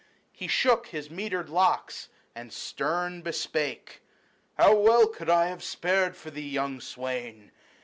He shook his mitred locks, and stern bespake :" How well could I have spared for thee, young swain.